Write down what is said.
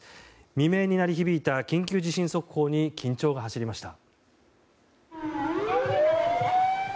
未明に鳴り響いた緊急地震速報に緊張が走りました。